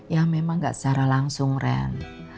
ya memang nggak secara langsung ren